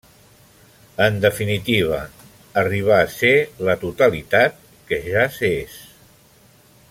En definitiva, arribar a Ser la Totalitat que ja s'és.